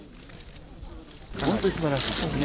本当にすばらしいですね。